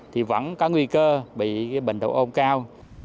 thì vẫn có nguy cơ bị bệnh độ ôn cao